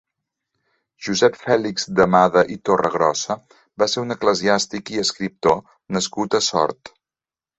Josep Fèlix d'Amada i Torregrossa va ser un eclesiàstic i escriptor nascut a Sort.